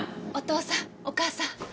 お義父さんお義母さん。